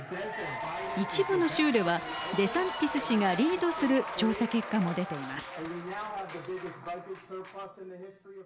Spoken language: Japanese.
一部の州ではデサンティス氏がリードする調査結果も出ています。